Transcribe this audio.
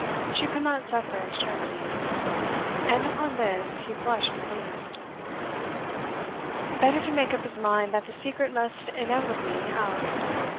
She could not suffer extremities. And upon this he blushed relief. Better to make up his mind that the secret must inevitably out.